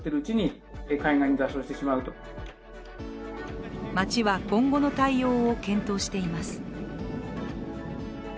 専門家は町は今後の対応を検討しています。